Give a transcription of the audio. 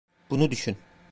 Bunu düşün.